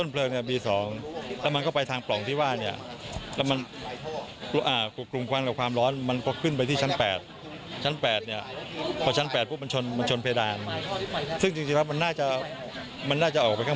พรปไปพรองรก์ขาที่ชั้น๘ฟิล์มก็ขึ้นจนเพดานชั้น๘เลย